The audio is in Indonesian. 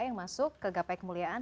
yang masuk ke gapai kemuliaan